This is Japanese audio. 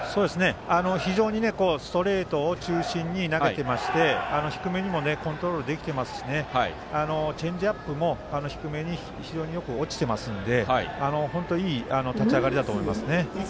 非常にストレートを中心に投げていまして低めにもコントロールできていますしチェンジアップも低めに非常によく落ちているので本当にいい立ち上がりだと思います。